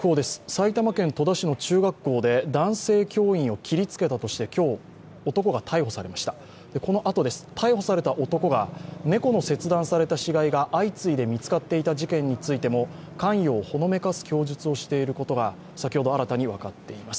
埼玉県戸田市の中学校で男性教員を切りつけたとして今日、男が逮捕されました、このあとです、逮捕された男が猫の切断された市外が相次いで見つかっていた事件についても関与をほのめかす供述をしていることが、先ほど新たに分かっています。